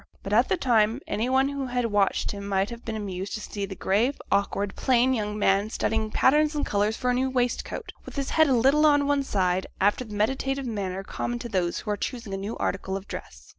But, at the time, any one who had watched him might have been amused to see the grave, awkward, plain young man studying patterns and colours for a new waistcoat, with his head a little on one side, after the meditative manner common to those who are choosing a new article of dress.